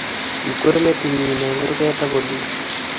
Kikwer metinyi eng kurget akolul